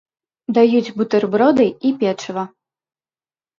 Даюць бутэрброды і печыва.